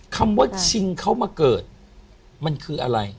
คำว่าชิงเขามาเกิดมันคืออะไร